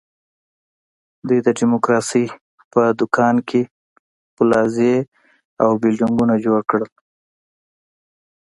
دوی د ډیموکراسۍ په دوکان کې پلازې او بلډینګونه جوړ کړل.